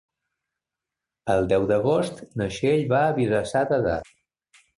El deu d'agost na Txell va a Vilassar de Dalt.